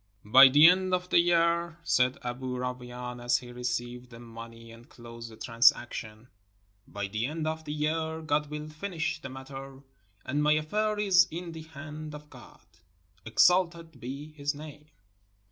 "By the end of the year," said Aboo Rawain, as he received the money and closed the transaction, — "by the end of the year God will finish the matter; and my affair is in the hand of God — exalted be his name!"